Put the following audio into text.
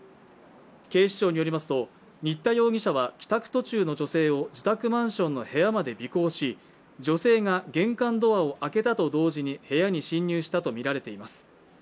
警視庁によりますと、新田容疑者は帰宅途中の女性を自宅マンションの部屋まで尾行し女性が玄関ドアを開けたと同時に部屋に侵入したとみられています。